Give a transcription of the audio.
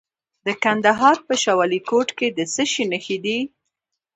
د کندهار په شاه ولیکوټ کې د څه شي نښې دي؟